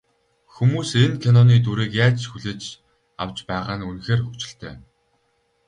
Хүмүүс энэ киноны дүрийг яаж хүлээж авч байгаа нь үнэхээр хөгжилтэй.